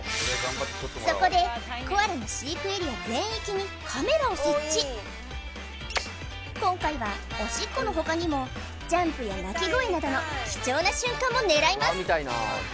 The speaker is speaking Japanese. そこでコアラの今回はおしっこの他にもジャンプや鳴き声などの貴重な瞬間も狙います